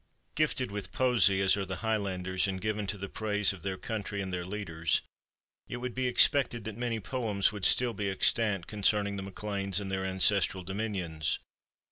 Gifted with poesy as are the Highlanders, and given to the praise of their country and their leaders, it would be expected that many poems would still be extant concerning the MacLeans and their ancestral dominions.